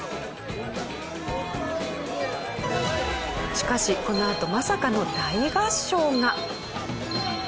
しかしこのあとまさかの大合唱が！